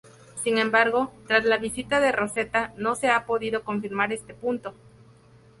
Sin embargo, tras la visita de Rosetta no se ha podido confirmar este punto.